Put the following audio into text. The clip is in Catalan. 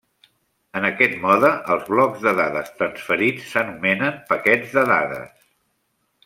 En aquest mode els blocs de dades transferits s'anomenen paquets de dades.